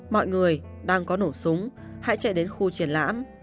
mọi người đang có nổ súng hãy chạy đến khu triển lãm